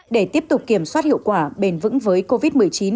để tiếp tục kiểm soát hiệu quả bền vững với covid một mươi chín